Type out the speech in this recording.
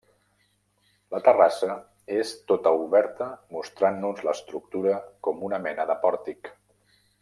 La terrassa és tota oberta mostrant-nos l'estructura com una mena de pòrtic.